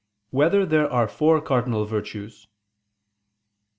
5] Whether There Are Four Cardinal Virtues?